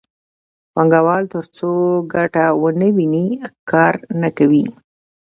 پانګوال ترڅو ګټه ونه ویني کار نه کوي